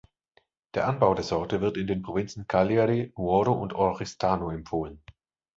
Der Anbau der Sorte wird in den Provinzen Cagliari, Nuoro und Oristano empfohlen.